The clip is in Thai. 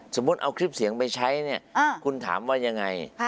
สมมุติเอาคลิปเสียงไปใช้เนี่ยคุณถามว่ายังไง